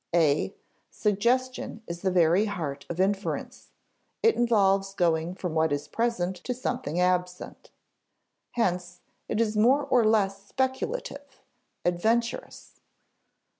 (a) Suggestion is the very heart of inference; it involves going from what is present to something absent. Hence, it is more or less speculative, adventurous.